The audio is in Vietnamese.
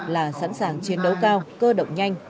là sẵn sàng chiến đấu cao cơ động nhanh